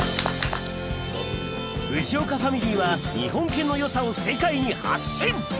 藤岡ファミリーは日本犬のよさを世界に発信